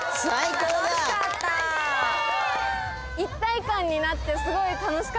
一体感になってすごい楽しかったです。